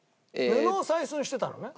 布を採寸してたのよね？